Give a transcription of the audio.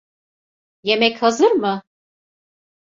Yemek hazır mı?